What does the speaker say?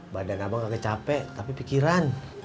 badan abang pakai capek tapi pikiran